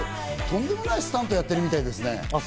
とんでもないスタントやってるみたいですね。